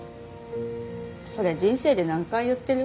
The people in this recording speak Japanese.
それ人生で何回言ってる？